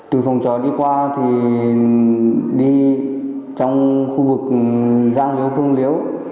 từ phòng trò đi qua thì đi trong khu vực giang liễu phương liễu